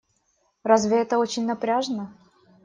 Разве это не очень напряжно?